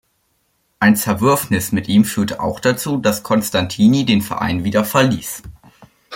Ein Zerwürfnis mit ihm führte auch dazu, dass Constantini den Verein wieder verließ.